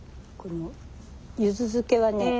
このゆず漬けはね